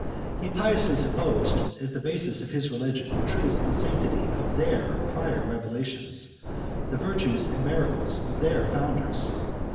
He piously supposed, as the basis of his religion, the truth and sanctity of their prior revolutions, the virtues and miracles of their founders.